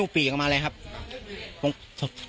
กลุ่มวัยรุ่นกลัวว่าจะไม่ได้รับความเป็นธรรมทางด้านคดีจะคืบหน้า